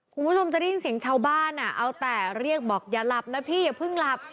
คุณผู้ชมจะได้ยินเสียงชาวบ้านเอาแต่เรียกบอกอย่าหลับนะพี่อย่าเพิ่งหลับ